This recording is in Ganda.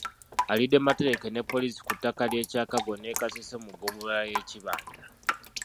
Alidde matereke ne poliisi ku ttaka ly'e Kyakago ne Kasese mu ggombolola y'e Kibanda.